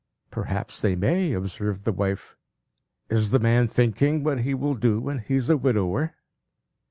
"Perhaps they may," observed the wife. "Is the man thinking what he will do when he is a widower?"